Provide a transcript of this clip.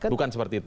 bukan seperti itu